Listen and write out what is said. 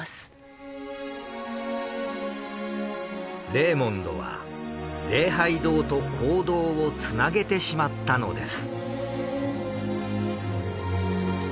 レーモンドは「礼拝堂」と講堂をつなげてしまったのです。